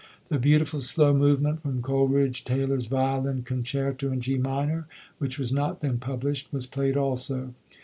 The beautiful slow movement from Coleridge Taylor's violin Con certo in G Minor, which was not then published, was played also.